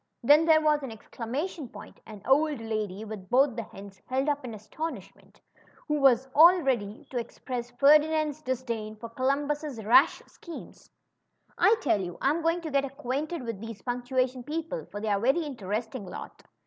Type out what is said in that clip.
Then there was an exclamation point — an old lady with both hands held up in astonishment — who was all ready to express Ferdi THE " TWINS." nand's disdain for Columbus' rash schemes, I tell you, I'm going to get acquainted with these punctuation people, for they're a very interesting lot."